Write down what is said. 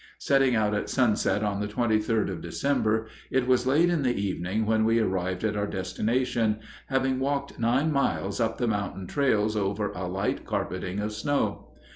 Setting out at sunset on the 23d of December, it was late in the evening when we arrived at our destination, having walked nine miles up the mountain trails over a light carpeting of snow.